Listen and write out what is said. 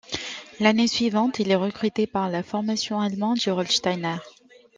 L'année suivante il est recruté par la formation allemande Gerolsteiner.